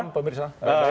selamat malam pemirsa